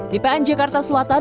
di pn jakarta selatan